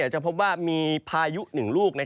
จะพบว่ามีพายุหนึ่งลูก